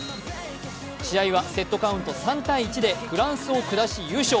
試合はセットカウント３−１でフランスを下し優勝。